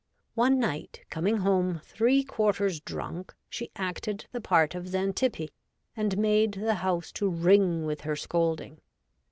One night, coming home three quarters drunk, she acted the part of Zantippe, and made the hou:e to Ring with her scolding.